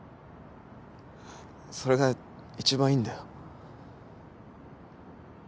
それが一番いいんだよ。